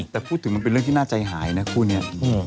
พูดถึงมันคือเป็นเรื่องที่น่าใจหายแต่คู่นี้